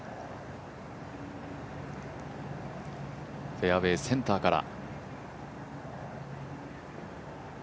フェアウエー、センターから。